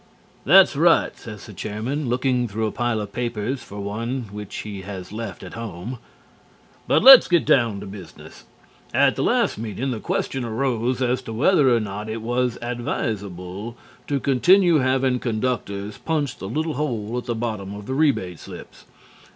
"That's right," says the Chairman, looking through a pile of papers for one which he has left at home. "But let's get down to business. At the last meeting the question arose as to whether or not it was advisable to continue having conductors punch the little hole at the bottom of rebate slips.